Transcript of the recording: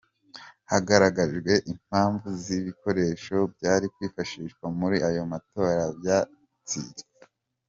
Hagaragajwe inpamvu z’ibikoresho byari kwifashishwa muri ayo matora byatsitswe.